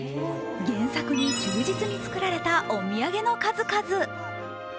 原作に忠実に作られたお土産の数々。